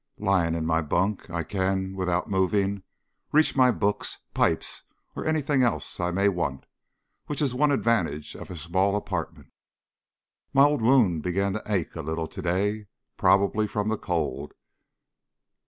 Lying in my bunk I can, without moving, reach my books, pipes, or anything else I may want, which is one advantage of a small apartment. My old wound began to ache a little to day, probably from the cold.